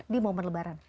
di momen lebaran